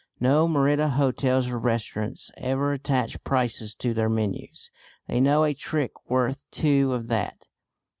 No Merida hotels or restaurants ever attach prices to their menus. They know a trick worth two of that.